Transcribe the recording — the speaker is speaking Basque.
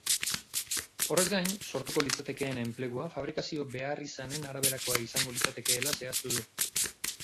Horrez gain, sortuko litzatekeen enplegua fabrikazio beharrizanen araberakoa izango litzatekeela zehaztu du.